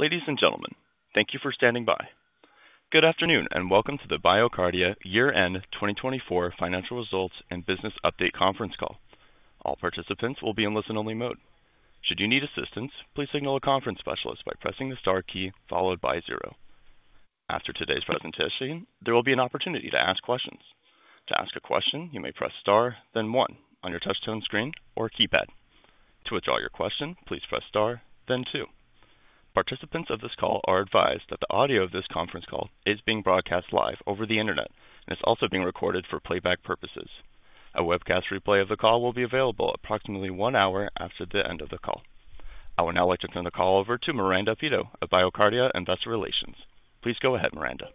Ladies and gentlemen, thank you for standing by. Good afternoon and Welcome to the BioCardia Year End 2024 Financial Results and Business Update Conference Call. All participants will be in listen-only mode. Should you need assistance, please signal a conference specialist by pressing the star key followed by zero. After today's presentation, there will be an opportunity to ask questions. To ask a question, you may press star, then one, on your touch-tone screen or keypad. To withdraw your question, please press star, then two. Participants of this call are advised that the audio of this conference call is being broadcast live over the internet, and it's also being recorded for playback purposes. A webcast replay of the call will be available approximately one hour after the end of the call. I would now like to turn the call over to Miranda Peto of BioCardia Investor Relations. Please go ahead, Miranda.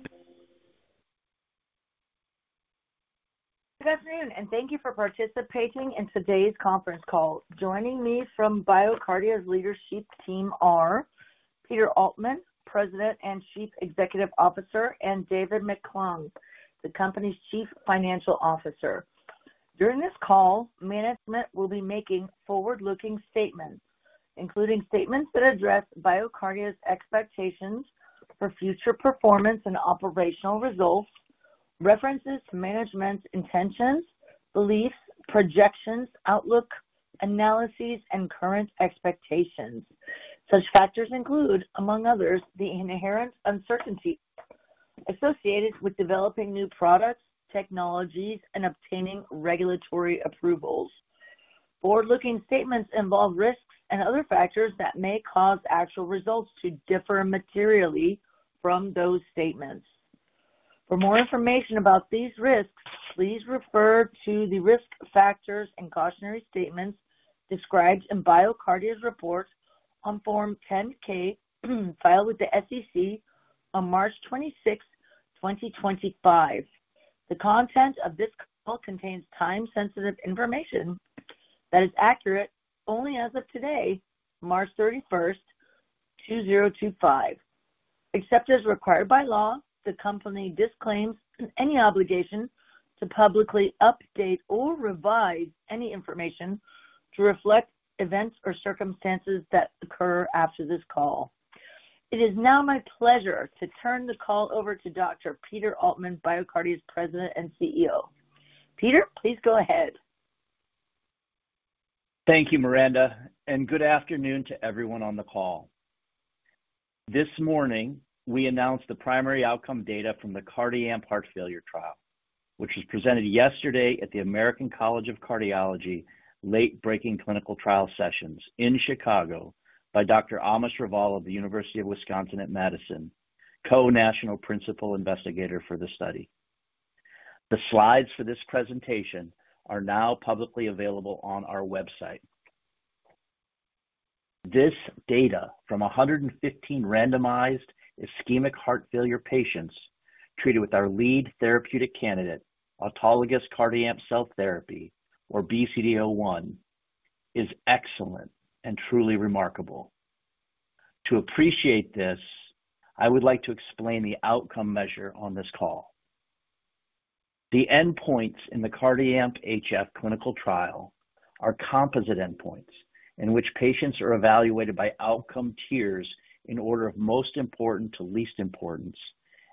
Good afternoon, and thank you for participating in today's conference call. Joining me from BioCardia's leadership team are Peter Altman, President and Chief Executive Officer, and David McClung, the company's Chief Financial Officer. During this call, management will be making forward-looking statements, including statements that address BioCardia's expectations for future performance and operational results, references to management's intentions, beliefs, projections, outlook, analyses, and current expectations. Such factors include, among others, the inherent uncertainty associated with developing new products, technologies, and obtaining regulatory approvals. Forward-looking statements involve risks and other factors that may cause actual results to differ materially from those statements. For more information about these risks, please refer to the risk factors and cautionary statements described in BioCardia's report on Form 10-K filed with the SEC on March 26, 2025. The content of this call contains time-sensitive information that is accurate only as of today, March 31, 2025. Except as required by law, the company disclaims any obligation to publicly update or revise any information to reflect events or circumstances that occur after this call. It is now my pleasure to turn the call over to Dr. Peter Altman, BioCardia's President and CEO. Peter, please go ahead. Thank you, Miranda, and good afternoon to everyone on the call. This morning, we announced the primary outcome data from the CardiAMP Heart Failure Trial, which was presented yesterday at the American College of Cardiology Late-Breaking Clinical Trial Sessions in Chicago by Dr. Amish Raval of the University of Wisconsin at Madison, co-national principal investigator for the study. The slides for this presentation are now publicly available on our website. This data from 115 randomized ischemic Heart Failure patients treated with our lead therapeutic candidate, autologous CardiAMP cell therapy, or BCD01, is excellent and truly remarkable. To appreciate this, I would like to explain the outcome measure on this call. The endpoints in the CardiAMP HF clinical trial are composite endpoints in which patients are evaluated by outcome tiers in order of most important to least importance,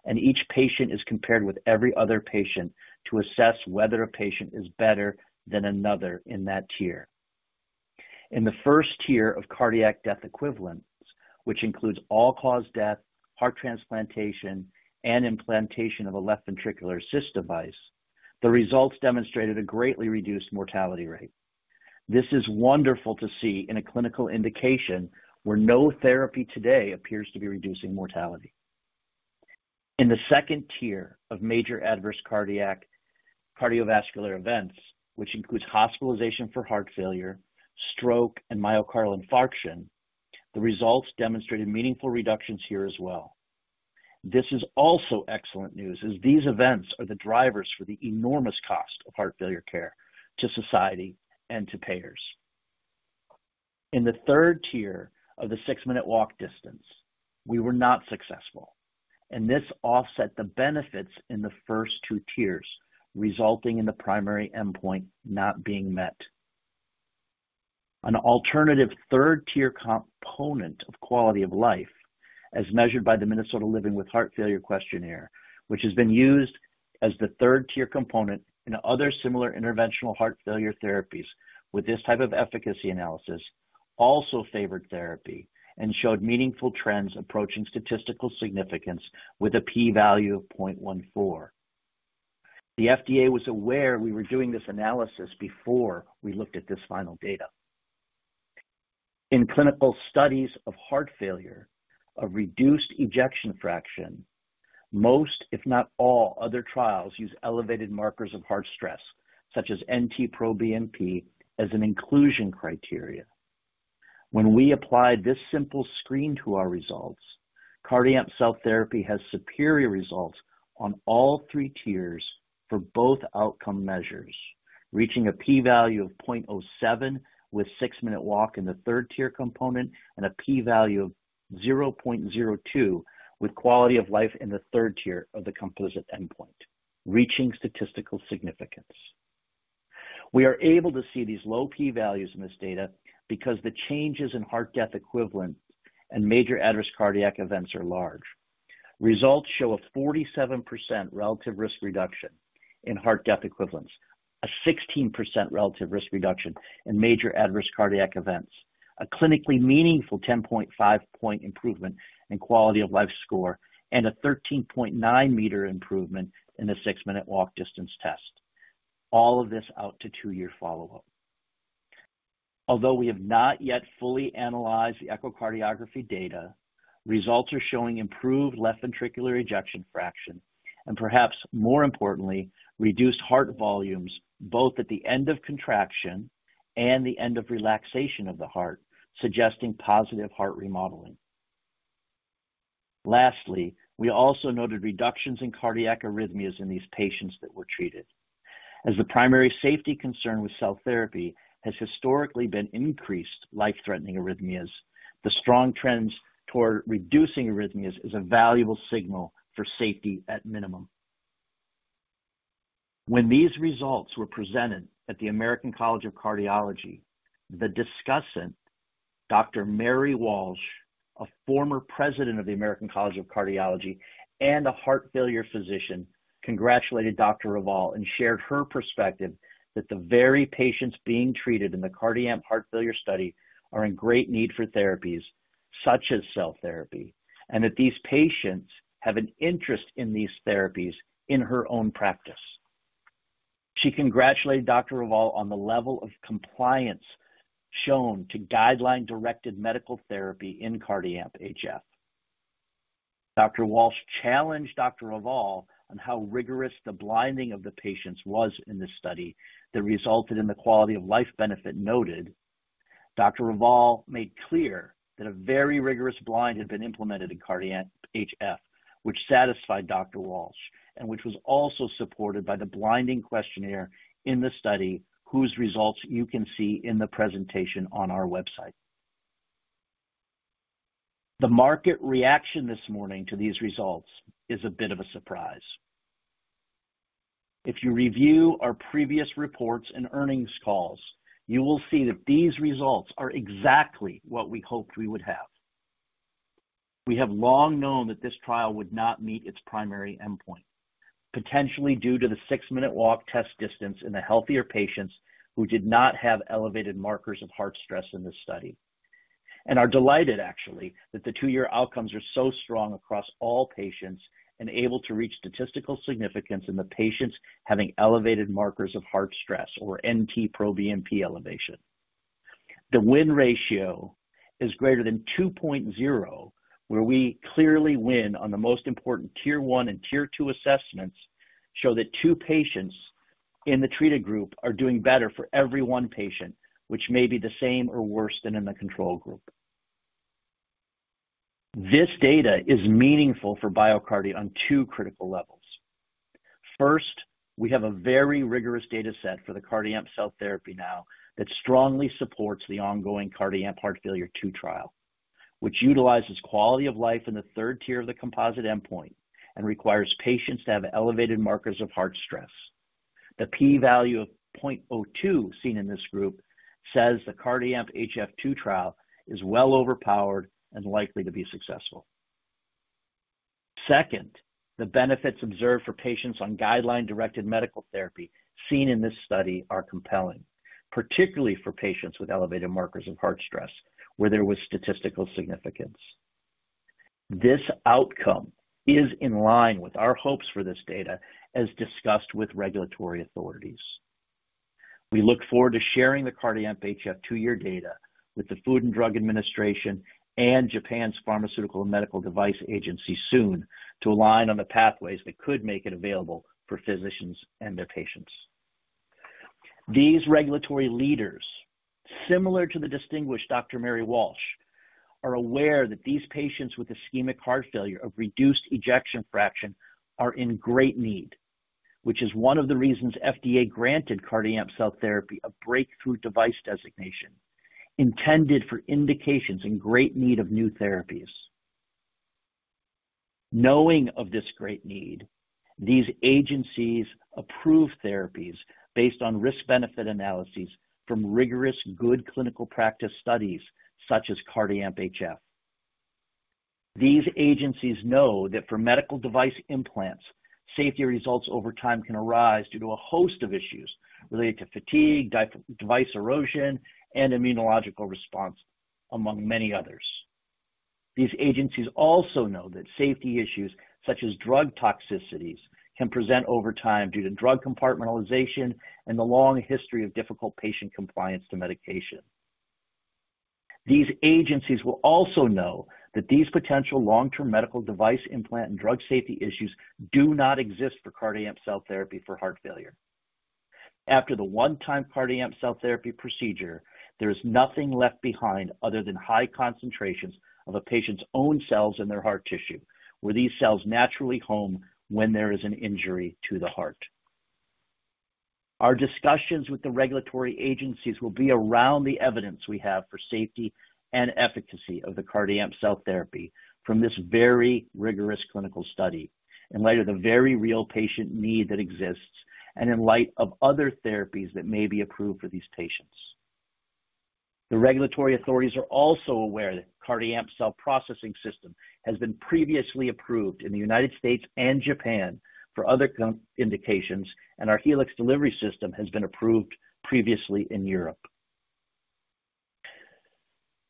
and each patient is compared with every other patient to assess whether a patient is better than another in that tier. In the first tier of cardiac death equivalents, which includes all-cause death, heart transplantation, and implantation of a left ventricular assist device, the results demonstrated a greatly reduced mortality rate. This is wonderful to see in a clinical indication where no therapy today appears to be reducing mortality. In the second tier of major adverse cardiovascular events, which includes hospitalization for Heart Failure, stroke, and myocardial infarction, the results demonstrated meaningful reductions here as well. This is also excellent news as these events are the drivers for the enormous cost of Heart Failure care to society and to payers. In the third tier of the six-minute walk distance, we were not successful, and this offset the benefits in the first two tiers, resulting in the primary endpoint not being met. An alternative third-tier component of quality of life, as measured by the Minnesota Living with Heart Failure Questionnaire, which has been used as the third-tier component in other similar interventional Heart Failure therapies with this type of efficacy analysis, also favored therapy and showed meaningful trends approaching statistical significance with a p-value of 0.14. The FDA was aware we were doing this analysis before we looked at this final data. In clinical studies of Heart Failure, a reduced ejection fraction, most, if not all, other trials use elevated markers of heart stress, such as NT-proBNP, as an inclusion criteria. When we apply this simple screen to our results, CardiAMP cell therapy has superior results on all three tiers for both outcome measures, reaching a p-value of 0.07 with six-minute walk in the third-tier component and a p-value of 0.02 with quality of life in the third tier of the composite endpoint, reaching statistical significance. We are able to see these low p-values in this data because the changes in heart death equivalent and major adverse cardiac events are large. Results show a 47% relative risk reduction in heart death equivalents, a 16% relative risk reduction in major adverse cardiac events, a clinically meaningful 10.5-point improvement in quality of life score, and a 13.9-meter improvement in the six-minute walk distance test, all of this out to two-year follow-up. Although we have not yet fully analyzed the echocardiography data, results are showing improved left ventricular ejection fraction and, perhaps more importantly, reduced heart volumes both at the end of contraction and the end of relaxation of the heart, suggesting positive heart remodeling. Lastly, we also noted reductions in cardiac arrhythmias in these patients that were treated. As the primary safety concern with cell therapy has historically been increased life-threatening arrhythmias, the strong trends toward reducing arrhythmias is a valuable signal for safety at minimum. When these results were presented at the American College of Cardiology, the discussant, Dr. Mary Walsh, a former president of the American College of Cardiology and a Heart Failure physician, congratulated Dr. Raval and shared her perspective that the very patients being treated in the CardiAMP Heart Failure study are in great need for therapies such as cell therapy and that these patients have an interest in these therapies in her own practice. She congratulated Dr. Raval on the level of compliance shown to guideline-directed medical therapy in CardiAMP HF. Dr. Walsh challenged Dr. Raval on how rigorous the blinding of the patients was in this study that resulted in the quality of life benefit noted. Dr. Raval made clear that a very rigorous blind had been implemented in CardiAMP HF, which satisfied Dr. Walsh and which was also supported by the blinding questionnaire in the study whose results you can see in the presentation on our website. The market reaction this morning to these results is a bit of a surprise. If you review our previous reports and earnings calls, you will see that these results are exactly what we hoped we would have. We have long known that this trial would not meet its primary endpoint, potentially due to the six-minute walk test distance in the healthier patients who did not have elevated markers of heart stress in this study. We are delighted, actually, that the two-year outcomes are so strong across all patients and able to reach statistical significance in the patients having elevated markers of heart stress or NT-proBNP elevation. The win ratio is greater than 2.0, where we clearly win on the most important tier one and tier two assessments show that two patients in the treated group are doing better for every one patient, which may be the same or worse than in the control group. This data is meaningful for BioCardia on two critical levels. First, we have a very rigorous data set for the CardiAMP cell therapy now that strongly supports the ongoing CardiAMP Heart Failure II trial, which utilizes quality of life in the third tier of the composite endpoint and requires patients to have elevated markers of heart stress. The p-value of 0.02 seen in this group says the CardiAMP HF II trial is well overpowered and likely to be successful. Second, the benefits observed for patients on guideline-directed medical therapy seen in this study are compelling, particularly for patients with elevated markers of heart stress, where there was statistical significance. This outcome is in line with our hopes for this data, as discussed with regulatory authorities. We look forward to sharing the CardiAMP HF two-year data with the Food and Drug Administration and Japan's Pharmaceuticals and Medical Devices Agency soon to align on the pathways that could make it available for physicians and their patients. These regulatory leaders, similar to the distinguished Dr. Mary Walsh, are aware that these patients with ischemic Heart Failure of reduced ejection fraction are in great need, which is one of the reasons FDA granted CardiAMP cell therapy a breakthrough device designation intended for indications in great need of new therapies. Knowing of this great need, these agencies approve therapies based on risk-benefit analyses from rigorous good clinical practice studies such as CardiAMP HF. These agencies know that for medical device implants, safety results over time can arise due to a host of issues related to fatigue, device erosion, and immunological response, among many others. These agencies also know that safety issues such as drug toxicities can present over time due to drug compartmentalization and the long history of difficult patient compliance to medication. These agencies will also know that these potential long-term medical device implant and drug safety issues do not exist for CardiAMP cell therapy for Heart Failure. After the one-time CardiAMP cell therapy procedure, there is nothing left behind other than high concentrations of a patient's own cells in their heart tissue, where these cells naturally home when there is an injury to the heart. Our discussions with the regulatory agencies will be around the evidence we have for safety and efficacy of the CardiAMP cell therapy from this very rigorous clinical study in light of the very real patient need that exists and in light of other therapies that may be approved for these patients. The regulatory authorities are also aware that CardiAMP Cell Processing System has been previously approved in the United States and Japan for other indications, and our Helix Delivery System has been approved previously in Europe.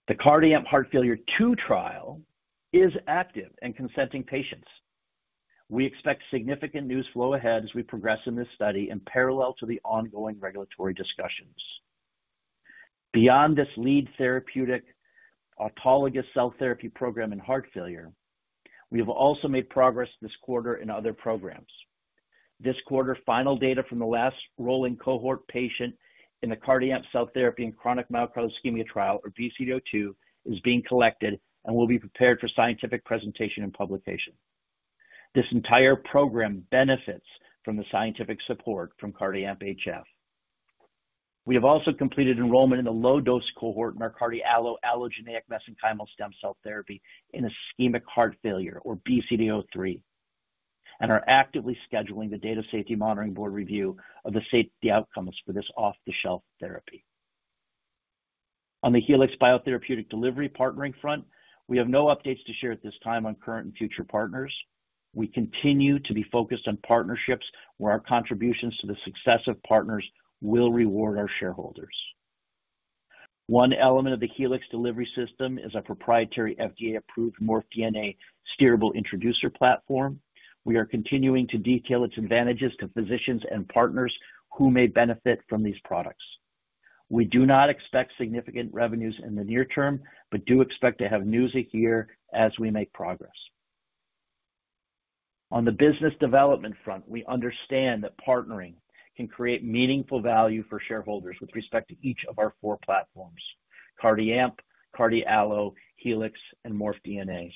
The CardiAMP Heart Failure II trial is active and consenting patients. We expect significant news flow ahead as we progress in this study in parallel to the ongoing regulatory discussions. Beyond this lead therapeutic autologous cell therapy program in Heart Failure, we have also made progress this quarter in other programs. This quarter, final data from the last rolling cohort patient in the CardiAMP cell therapy and chronic myocardial ischemia trial, or BCD02, is being collected and will be prepared for scientific presentation and publication. This entire program benefits from the scientific support from CardiAMP HF. We have also completed enrollment in the low-dose cohort in our CardiALLO allogeneic mesenchymal stem cell therapy in ischemic Heart Failure, or BCD03, and are actively scheduling the Data Safety Monitoring Board review of the safety outcomes for this off-the-shelf therapy. On the Helix biotherapeutic delivery partnering front, we have no updates to share at this time on current and future partners. We continue to be focused on partnerships where our contributions to the success of partners will reward our shareholders. One element of the Helix delivery system is a proprietary FDA-approved Morph DNA steerable introducer platform. We are continuing to detail its advantages to physicians and partners who may benefit from these products. We do not expect significant revenues in the near term, but do expect to have news flow as we make progress. On the business development front, we understand that partnering can create meaningful value for shareholders with respect to each of our four platforms: CardiAMP, CardiALLO, Helix, and Morph DNA.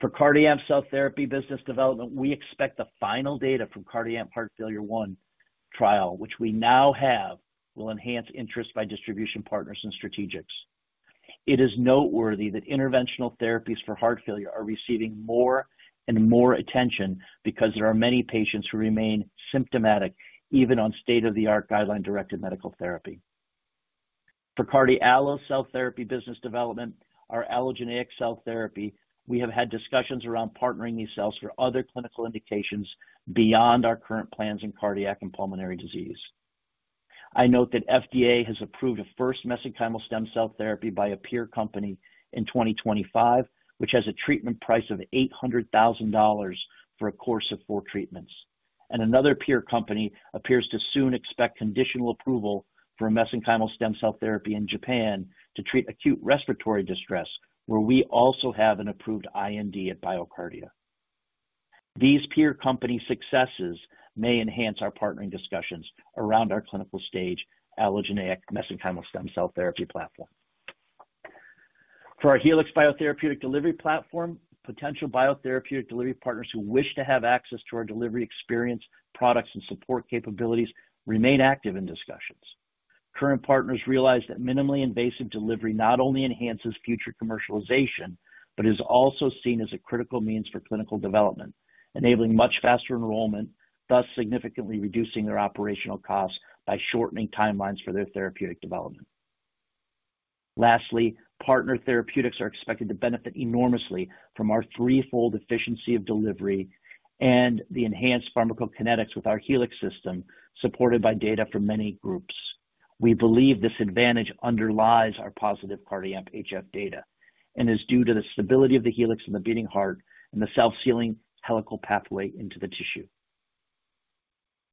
For CardiAMP cell therapy business development, we expect the final data from CardiAMP Heart Failure I trial, which we now have, will enhance interest by distribution partners and strategics. It is noteworthy that interventional therapies for Heart Failure are receiving more and more attention because there are many patients who remain symptomatic even on state-of-the-art guideline-directed medical therapy. For CardiALLO cell therapy business development, our allogeneic cell therapy, we have had discussions around partnering these cells for other clinical indications beyond our current plans in cardiac and pulmonary disease. I note that FDA has approved a first mesenchymal stem cell therapy by a peer company in 2025, which has a treatment price of $800,000 for a course of four treatments. Another peer company appears to soon expect conditional approval for a mesenchymal stem cell therapy in Japan to treat acute respiratory distress, where we also have an approved IND at BioCardia. These peer company successes may enhance our partnering discussions around our clinical stage allogeneic mesenchymal stem cell therapy platform. For our Helix biotherapeutic delivery platform, potential biotherapeutic delivery partners who wish to have access to our delivery experience, products, and support capabilities remain active in discussions. Current partners realize that minimally invasive delivery not only enhances future commercialization, but is also seen as a critical means for clinical development, enabling much faster enrollment, thus significantly reducing their operational costs by shortening timelines for their therapeutic development. Lastly, partner therapeutics are expected to benefit enormously from our threefold efficiency of delivery and the enhanced pharmacokinetics with our Helix system supported by data from many groups. We believe this advantage underlies our positive CardiAMP HF data and is due to the stability of the Helix in the beating heart and the self-sealing helical pathway into the tissue.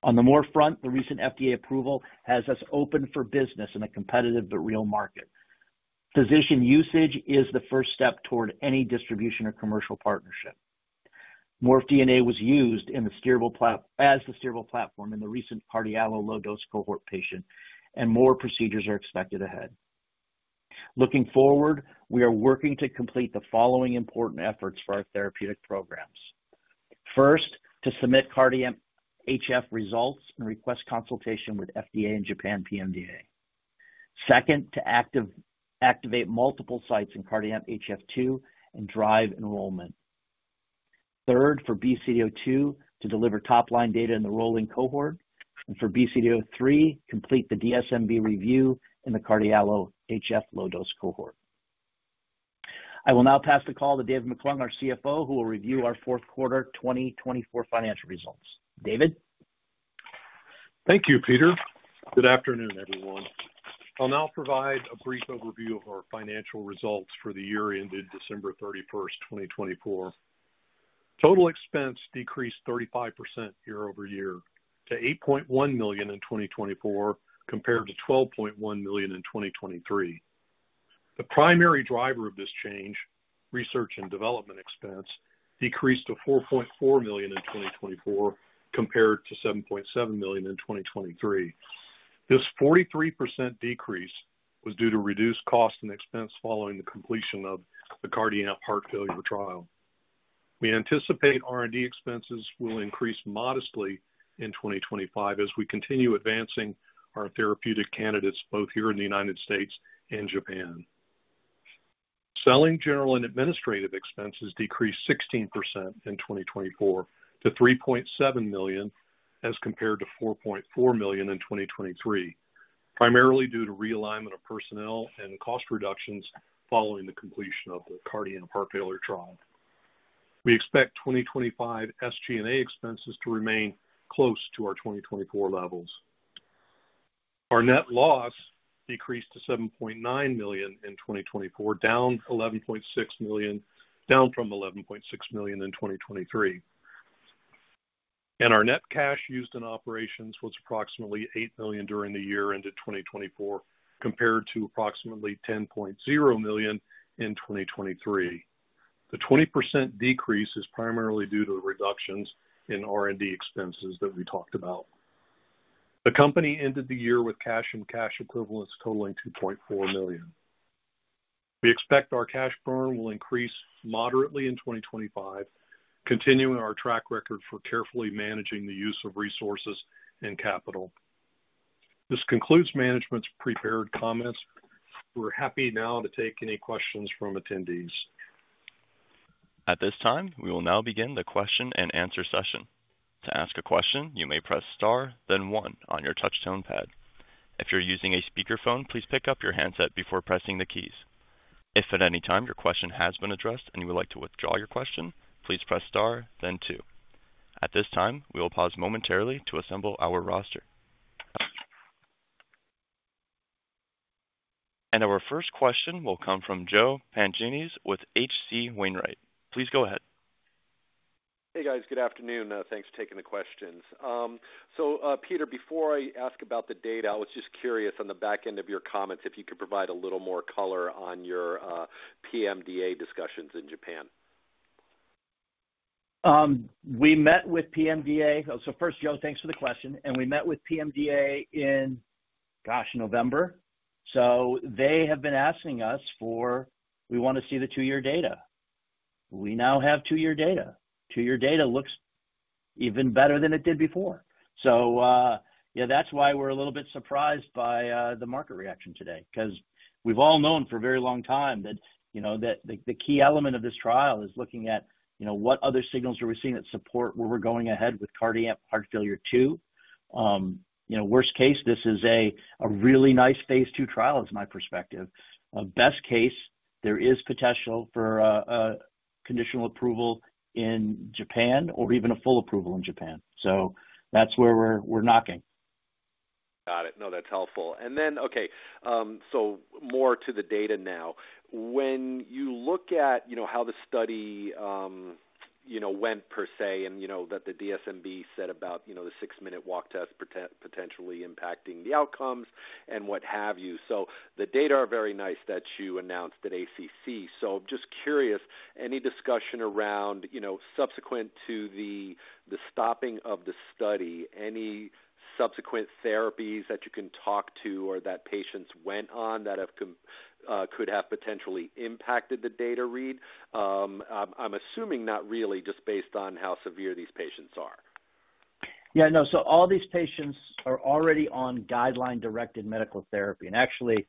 On the more front, the recent FDA approval has us open for business in a competitive but real market. Physician usage is the first step toward any distribution or commercial partnership. Morph DNA was used as the steerable platform in the recent CardiALLO low-dose cohort patient, and more procedures are expected ahead. Looking forward, we are working to complete the following important efforts for our therapeutic programs. First, to submit CardiAMP HF results and request consultation with FDA and Japan PMDA. Second, to activate multiple sites in CardiAMP HF II and drive enrollment. Third, for BCD02 to deliver top-line data in the rolling cohort. And for BCD03, complete the DSMB review in the CardiALLO HF low-dose cohort. I will now pass the call to David McClung, our CFO, who will review our Q4 2024 Financial Results. David? Thank you, Peter. Good afternoon, everyone. I'll now provide a brief overview of our financial results for the year ended December 31, 2024. Total expense decreased 35% year-over-year to $8.1 million in 2024 compared to $12.1 million in 2023. The primary driver of this change, research and development expense, decreased to $4.4 million in 2024 compared to $7.7 million in 2023. This 43% decrease was due to reduced cost and expense following the completion of the CardiAMP Heart Failure trial. We anticipate R&D expenses will increase modestly in 2025 as we continue advancing our therapeutic candidates both here in the United States and Japan. Selling general and administrative expenses decreased 16% in 2024 to $3.7 million as compared to $4.4 million in 2023, primarily due to realignment of personnel and cost reductions following the completion of the CardiAMP Heart Failure trial. We expect 2025 SG&A expenses to remain close to our 2024 levels. Our net loss decreased to $7.9 million in 2024, down from $11.6 million in 2023. Our net cash used in operations was approximately $8 million during the year ended 2024 compared to approximately $10.0 million in 2023. The 20% decrease is primarily due to the reductions in R&D expenses that we talked about. The company ended the year with cash and cash equivalents totaling $2.4 million. We expect our cash burn will increase moderately in 2025, continuing our track record for carefully managing the use of resources and capital. This concludes management's prepared comments. We're happy now to take any questions from attendees. At this time, we will now begin the Q&A session. To ask a question, you may press star, then one, on your touch-tone pad. If you're using a speakerphone, please pick up your handset before pressing the keys. If at any time your question has been addressed and you would like to withdraw your question, please press star, then two. At this time, we will pause momentarily to assemble our roster. Our first question will come from Joe Pantginis with H.C. Wainwright. Please go ahead. Hey, guys. Good afternoon. Thanks for taking the questions. Peter, before I ask about the data, I was just curious on the back end of your comments if you could provide a little more color on your PMDA discussions in Japan? We met with PMDA so first, Joe, thanks for the question. We met with PMDA in, gosh, November. They have been asking us for we want to see the two-year data. We now have two-year data. Two-year data looks even better than it did before. Yeah, that's why we're a little bit surprised by the market reaction today because we've all known for a very long time that the key element of this trial is looking at what other signals are we seeing that support where we're going ahead with CardiAMP Heart Failure II. Worst case, this is a really nice phase two trial is my perspective. Best case, there is potential for conditional approval in Japan or even a full approval in Japan. That's where we're knocking. Got it. No, that's helpful. More to the data now. When you look at how the study went per se and that the DSMB said about the six-minute walk test potentially impacting the outcomes and what have you, the data are very nice that you announced at ACC. I'm just curious, any discussion around subsequent to the stopping of the study, any subsequent therapies that you can talk to or that patients went on that could have potentially impacted the data read? I'm assuming not really, just based on how severe these patients are. Yeah. No, all these patients are already on guideline-directed medical therapy. Actually,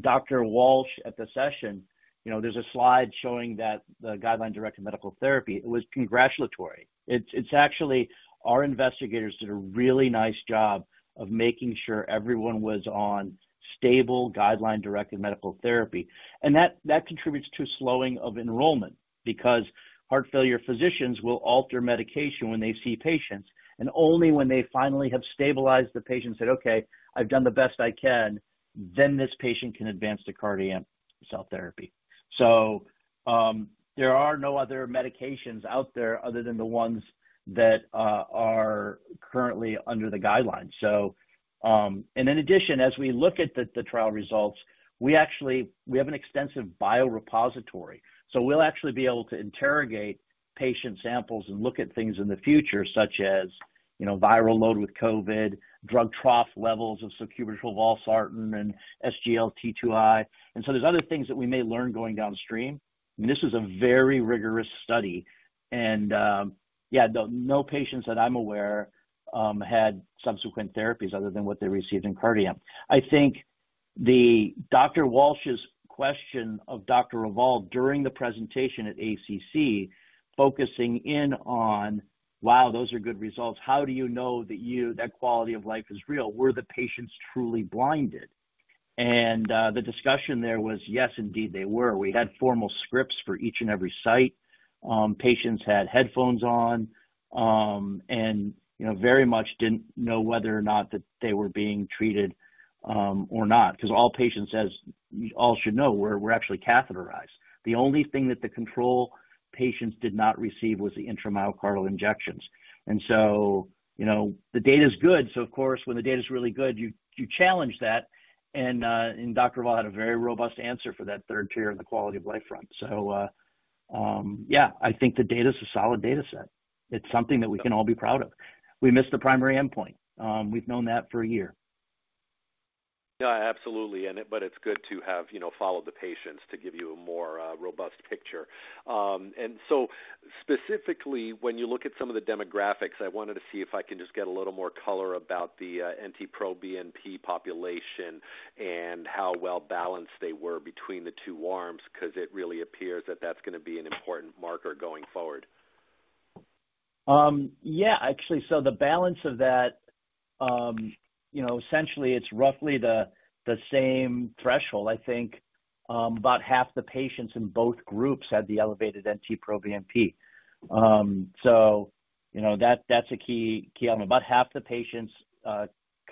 Dr. Walsh at the session, there's a slide showing that the guideline-directed medical therapy was congratulatory. It's actually our investigators did a really nice job of making sure everyone was on stable guideline-directed medical therapy. That contributes to slowing of enrollment because Heart Failure physicians will alter medication when they see patients. Only when they finally have stabilized the patient and said, "Okay, I've done the best I can," then this patient can advance to CardiAMP cell therapy. There are no other medications out there other than the ones that are currently under the guidelines. In addition, as we look at the trial results, we have an extensive bio repository. We will actually be able to interrogate patient samples and look at things in the future, such as viral load with COVID, drug trough levels of sacubitril/valsartan and SGLT2i. There are other things that we may learn going downstream. This is a very rigorous study. No patients that I'm aware had subsequent therapies other than what they received in CardiAMP. Dr. Walsh's question of Dr. Altman during the presentation at ACC focusing in on, "Wow, those are good results. How do you know that quality of life is real? Were the patients truly blinded?" The discussion there was, "Yes, indeed, they were." We had formal scripts for each and every site. Patients had headphones on and very much did not know whether or not they were being treated or not because all patients, as you all should know, were actually catheterized. The only thing that the control patients did not receive was the intramyocardial injections. The data is good. Of course, when the data is really good, you challenge that. Dr. Altman had a very robust answer for that third tier on the quality of life front. The data is a solid data set. It's something that we can all be proud of. We missed the primary endpoint. We've known that for a year. Yeah, absolutely. It's good to have followed the patients to give you a more robust picture. Specifically, when you look at some of the demographics, I wanted to see if I can just get a little more color about the NT-proBNP population and how well balanced they were between the two arms because it really appears that that's going to be an important marker going forward. Yeah, actually. The balance of that, essentially, it's roughly the same threshold. About half the patients in both groups had the elevated NT-proBNP. That's a key element. About half the patients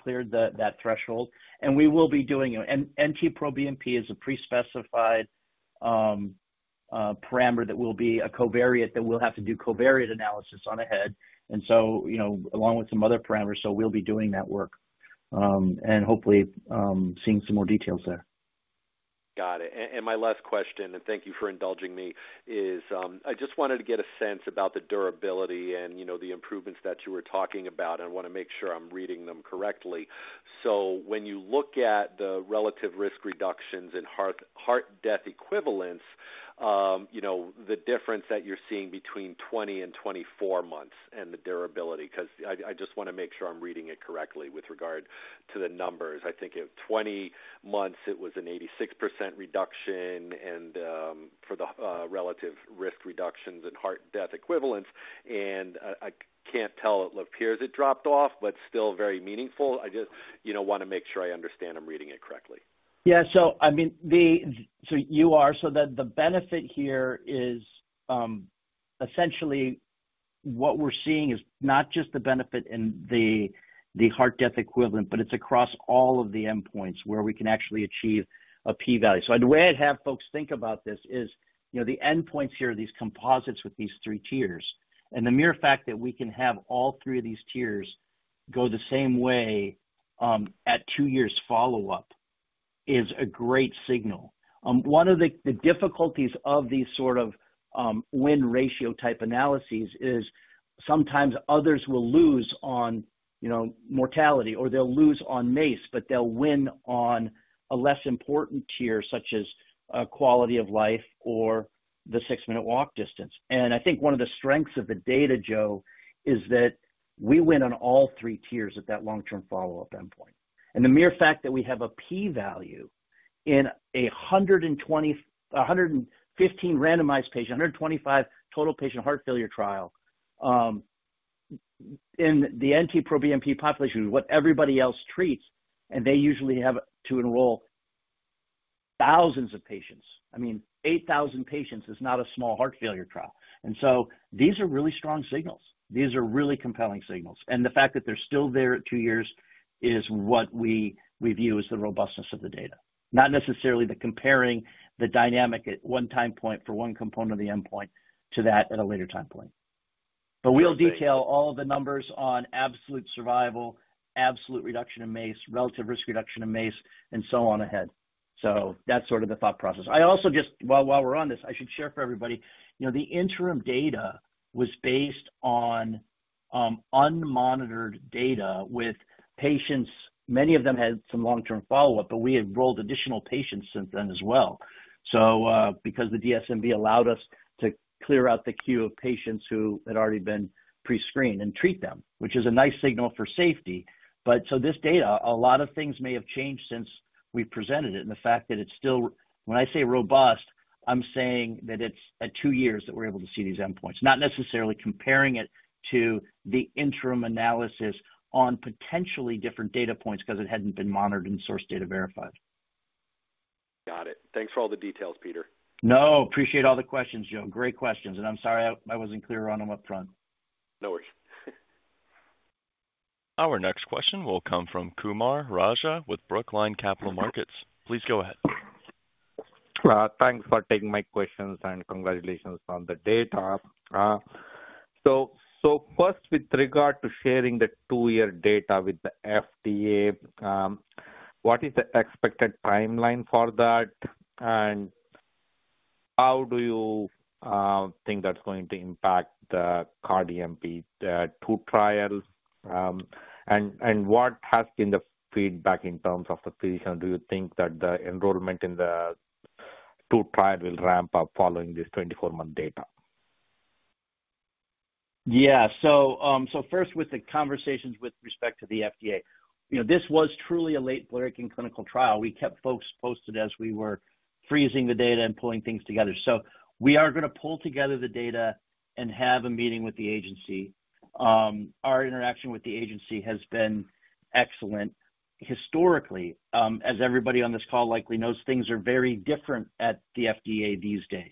cleared that threshold. We will be doing NT-proBNP as a pre-specified parameter that will be a covariate that we'll have to do covariate analysis on ahead. Along with some other parameters, we'll be doing that work and hopefully seeing some more details there. Got it. My last question, and thank you for indulging me, is I just wanted to get a sense about the durability and the improvements that you were talking about. I want to make sure I'm reading them correctly. When you look at the relative risk reductions in heart death equivalents, the difference that you're seeing between 20 and 24 months and the durability, I just want to make sure I'm reading it correctly with regard to the numbers. At 20 months, it was an 86% reduction for the relative risk reductions in heart death equivalents. I can't tell if it appears it dropped off, but still very meaningful. I just want to make sure I understand I'm reading it correctly. Yeah. You are, so the benefit here is essentially what we're seeing is not just the benefit in the heart death equivalent, but it's across all of the endpoints where we can actually achieve a P value. The way I'd have folks think about this is the endpoints here are these composites with these three tiers. The mere fact that we can have all three of these tiers go the same way at two years follow-up is a great signal. One of the difficulties of these sort of win ratio type analyses is sometimes others will lose on mortality or they'll lose on MACE, but they'll win on a less important tier such as quality of life or the six-minute walk distance. one of the strengths of the data, Joe, is that we win on all three tiers at that long-term follow-up endpoint. The mere fact that we have a P value in a 115 randomized patient, 125 total patient Heart Failure trial in the NT-proBNP population, what everybody else treats, and they usually have to enroll thousands of patients. 8,000 patients is not a small Heart Failure trial. These are really strong signals. These are really compelling signals. The fact that they're still there at two years is what we view as the robustness of the data, not necessarily comparing the dynamic at one time point for one component of the endpoint to that at a later time point. We will detail all the numbers on absolute survival, absolute reduction in MACE, relative risk reduction in MACE, and so on ahead. That is sort of the thought process. I also just, while we're on this, I should share for everybody, the interim data was based on unmonitored data with patients. Many of them had some long-term follow-up, but we enrolled additional patients since then as well because the DSMB allowed us to clear out the queue of patients who had already been pre-screened and treat them, which is a nice signal for safety. This data, a lot of things may have changed since we presented it. The fact that it's still, when I say robust, I'm saying that it's at two years that we're able to see these endpoints, not necessarily comparing it to the interim analysis on potentially different data points because it hadn't been monitored and source data verified. Got it. Thanks for all the details, Peter. No, appreciate all the questions, Joe. Great questions. I'm sorry I wasn't clear on them upfront. No worries. Our next question will come from Kumaraguru Raja with Brookline Capital Markets. Please go ahead. Thanks for taking my questions and congratulations on the data. First, with regard to sharing the two-year data with the FDA, what is the expected timeline for that? How do you think that's going to impact the CardiAMP two trials? What has been the feedback in terms of the physician? Do you think that the enrollment in the two trials will ramp up following this 24-month data? Yeah. First, with the conversations with respect to the FDA, this was truly a late-breaking clinical trial. We kept folks posted as we were freezing the data and pulling things together. We are going to pull together the data and have a meeting with the agency. Our interaction with the agency has been excellent. Historically, as everybody on this call likely knows, things are very different at the FDA these days.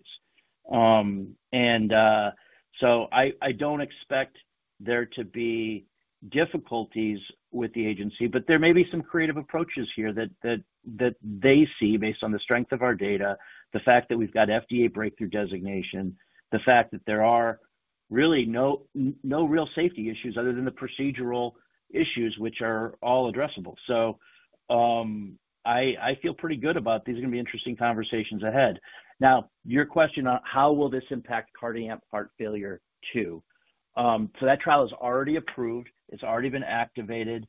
I don't expect there to be difficulties with the agency, but there may be some creative approaches here that they see based on the strength of our data, the fact that we've got FDA breakthrough designation, the fact that there are really no real safety issues other than the procedural issues, which are all addressable. I feel pretty good about these are going to be interesting conversations ahead. Now, your question on how will this impact CardiAMP Heart Failure II? That trial is already approved. It's already been activated.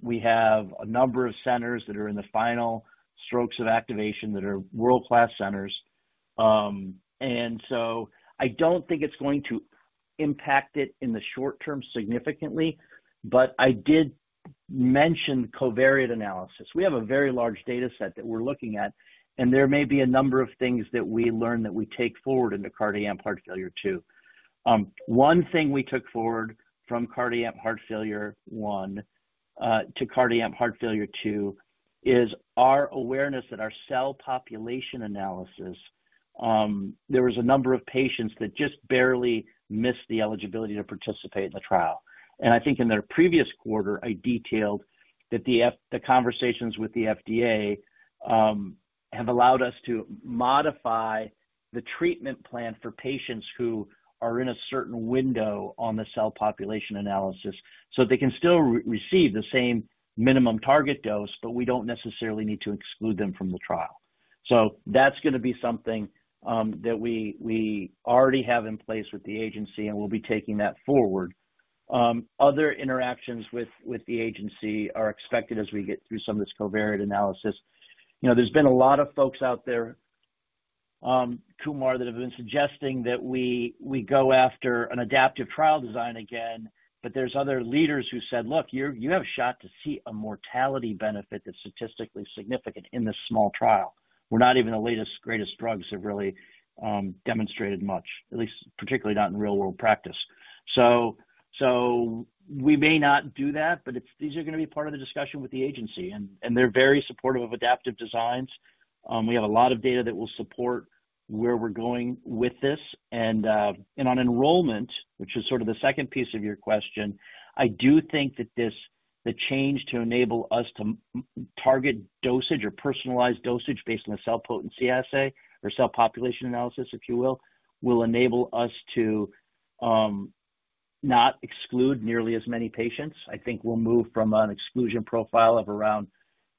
We have a number of centers that are in the final strokes of activation that are world-class centers. I don't think it's going to impact it in the short term significantly, but I did mention covariate analysis. We have a very large data set that we're looking at, and there may be a number of things that we learn that we take forward into CardiAMP Heart Failure II. One thing we took forward from CardiAMP Heart Failure I to CardiAMP Heart Failure II is our awareness that our cell population analysis, there was a number of patients that just barely missed the eligibility to participate in the trial. In their previous quarter, I detailed that the conversations with the FDA have allowed us to modify the treatment plan for patients who are in a certain window on the cell population analysis so they can still receive the same minimum target dose, but we do not necessarily need to exclude them from the trial. That is going to be something that we already have in place with the agency, and we will be taking that forward. Other interactions with the agency are expected as we get through some of this covariate analysis. There's been a lot of folks out there, Kumar, that have been suggesting that we go after an adaptive trial design again, but there's other leaders who said, "Look, you have a shot to see a mortality benefit that's statistically significant in this small trial." We're not even the latest greatest drugs that have really demonstrated much, at least particularly not in real-world practice. We may not do that, but these are going to be part of the discussion with the agency. They're very supportive of adaptive designs. We have a lot of data that will support where we're going with this. On enrollment, which is sort of the second piece of your question, I do think that the change to enable us to target dosage or personalized dosage based on the cell potency assay or cell population analysis, if you will, will enable us to not exclude nearly as many patients. We'll move from an exclusion profile of around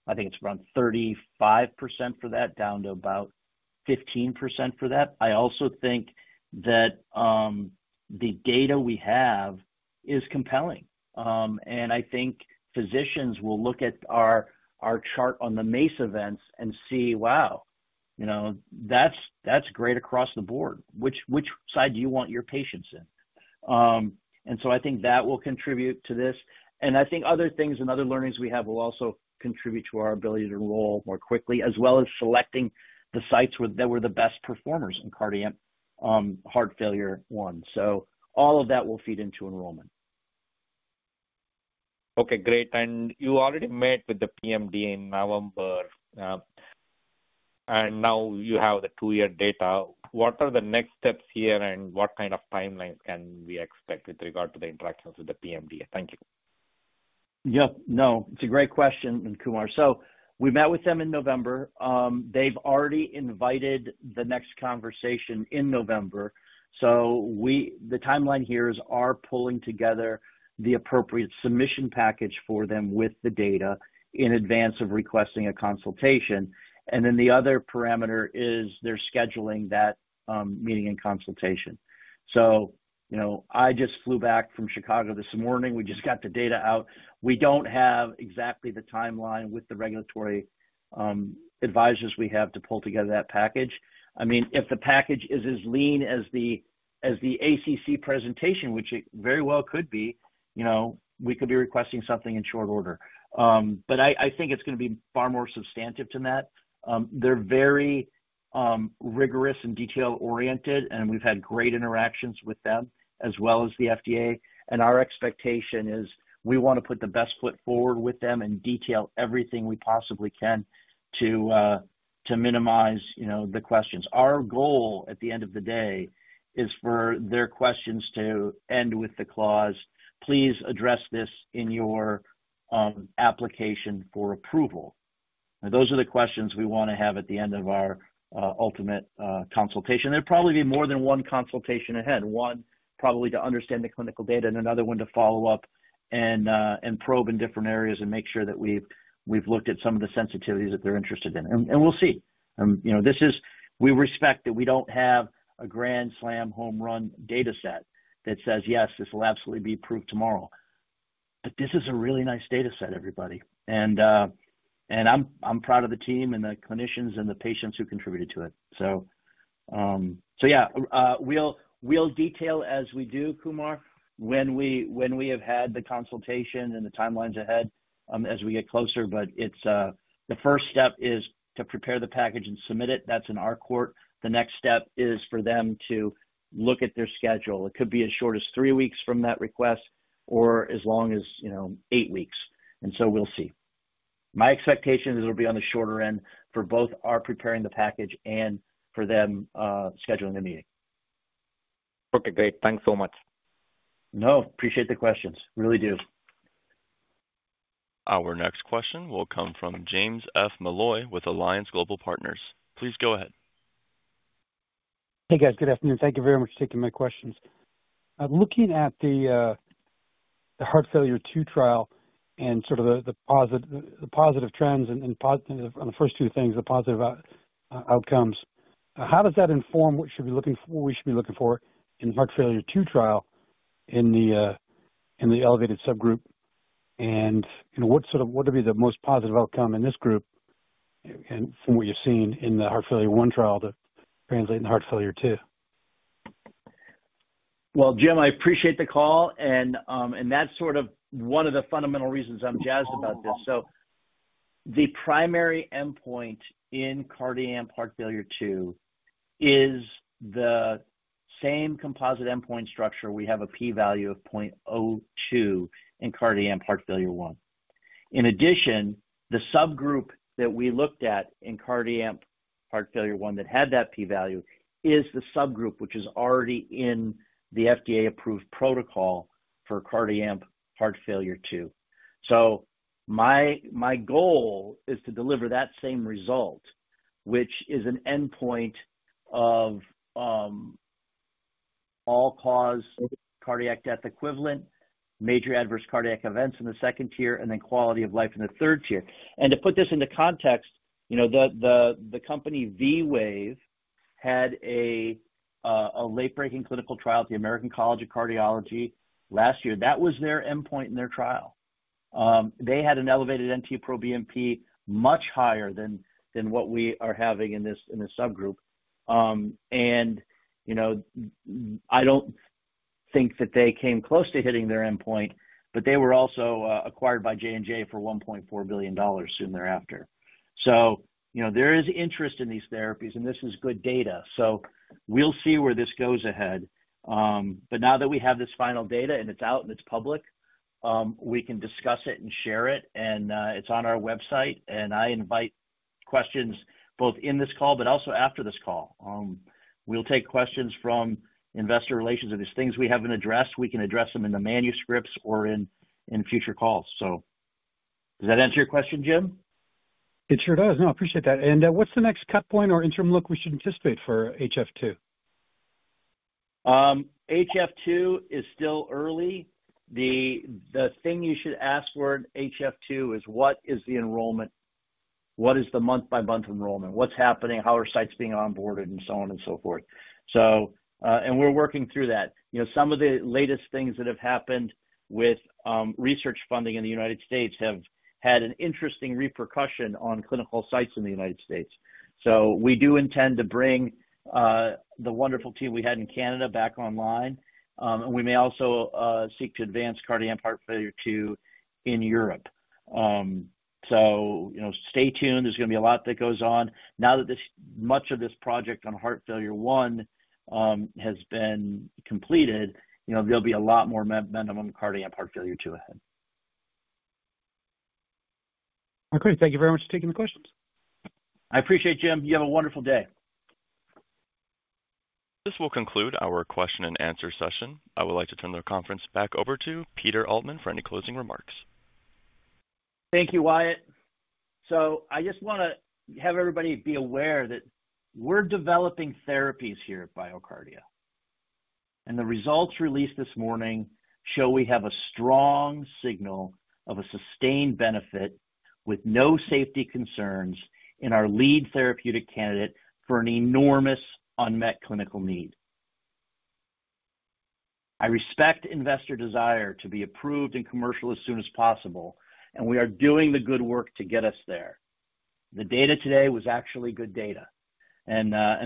35% for that, down to about 15% for that. I also think that the data we have is compelling. Physicians will look at our chart on the MACE events and see, "Wow, that's great across the board. Which side do you want your patients in?" that will contribute to this. Other things and other learnings we have will also contribute to our ability to enroll more quickly, as well as selecting the sites that were the best performers in CardiAMP Heart Failure I. All of that will feed into enrollment. Okay. Great. You already met with the PMDA in November. Now you have the two-year data. What are the next steps here and what kind of timelines can we expect with regard to the interactions with the PMDA? Thank you. Yep. No, it's a great question, Kumar. We met with them in November. They've already invited the next conversation in November. The timeline here is our pulling together the appropriate submission package for them with the data in advance of requesting a consultation. The other parameter is their scheduling that meeting and consultation. I just flew back from Chicago this morning. We just got the data out. We do not have exactly the timeline with the regulatory advisors. We have to pull together that package. If the package is as lean as the ACC presentation, which it very well could be, we could be requesting something in short order. It is going to be far more substantive than that. They are very rigorous and detail-oriented, and we have had great interactions with them as well as the FDA. Our expectation is we want to put the best foot forward with them and detail everything we possibly can to minimize the questions. Our goal at the end of the day is for their questions to end with the clause, "Please address this in your application for approval." Those are the questions we want to have at the end of our ultimate consultation. There will probably be more than one consultation ahead, one probably to understand the clinical data and another one to follow up and probe in different areas and make sure that we have looked at some of the sensitivities that they are interested in. We respect that we do not have a grand slam home run data set that says, "Yes, this will absolutely be approved tomorrow." This is a really nice data set, everybody. I am proud of the team and the clinicians and the patients who contributed to it. Yeah, we'll detail as we do, Kumar, when we have had the consultation and the timelines ahead as we get closer. The first step is to prepare the package and submit it. That's in our court. The next step is for them to look at their schedule. It could be as short as three weeks from that request or as long as eight weeks. We'll see. My expectation is it'll be on the shorter end for both our preparing the package and for them scheduling the meeting. Okay. Great. Thanks so much. No, appreciate the questions. Really do. Our next question will come from James F. Molloy with Alliance Global Partners. Please go ahead. Hey, guys. Good afternoon. Thank you very much for taking my questions. Looking at the Heart Failure II trial and sort of the positive trends and on the first two things, the positive outcomes, how does that inform what we should be looking for in Heart Failure II trial in the elevated subgroup? What would be the most positive outcome in this group from what you've seen in the Heart Failure I trial to translate in Heart Failure II? James, I appreciate the call. That is sort of one of the fundamental reasons I'm jazzed about this. The primary endpoint in CardiAMP Heart Failure II is the same composite endpoint structure. We have a P value of 0.02 in CardiAMP Heart Failure I. In addition, the subgroup that we looked at in CardiAMP Heart Failure I that had that P value is the subgroup which is already in the FDA-approved protocol for CardiAMP Heart Failure II. My goal is to deliver that same result, which is an endpoint of all-cause cardiac death equivalent, major adverse cardiac events in the second tier, and then quality of life in the third tier. To put this into context, the company V-Wave had a late-breaking clinical trial at the American College of Cardiology last year. That was their endpoint in their trial. They had an elevated NT-proBNP much higher than what we are having in this subgroup. I do not think that they came close to hitting their endpoint, but they were also acquired by Johnson & Johnson for $1.4 billion soon thereafter. There is interest in these therapies, and this is good data. We will see where this goes ahead. Now that we have this final data and it is out and it is public, we can discuss it and share it. It is on our website. I invite questions both in this call but also after this call. We'll take questions from investor relations if there are things we haven't addressed. We can address them in the manuscripts or in future calls. Does that answer your question, James? It sure does. No, I appreciate that. What's the next cut point or interim look we should anticipate for HF2? HF2 is still early. The thing you should ask for in HF2 is, "What is the enrollment? What is the month-by-month enrollment? What's happening? How are sites being onboarded?" and so on and so forth. We're working through that. Some of the latest things that have happened with research funding in the United States have had an interesting repercussion on clinical sites in the United States. We do intend to bring the wonderful team we had in Canada back online. We may also seek to advance CardiAMP Heart Failure II in Europe. Stay tuned. There is going to be a lot that goes on. Now that much of this project on Heart Failure I has been completed, there will be a lot more momentum on CardiAMP Heart Failure II ahead. Thank you very much for taking the questions. I appreciate it, Jim. You have a wonderful day. This will conclude our Q&A session. I would like to turn the conference back over to Peter Altman for any closing remarks. Thank you, Wyatt. I just want to have everybody be aware that we are developing therapies here at BioCardia. The results released this morning show we have a strong signal of a sustained benefit with no safety concerns in our lead therapeutic candidate for an enormous unmet clinical need. I respect investor desire to be approved and commercial as soon as possible, and we are doing the good work to get us there. The data today was actually good data.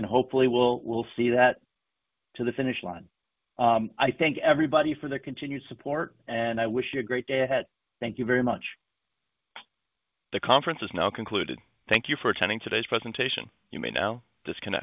Hopefully, we'll see that to the finish line. I thank everybody for their continued support, and I wish you a great day ahead. Thank you very much. The conference is now concluded. Thank you for attending today's presentation. You may now disconnect.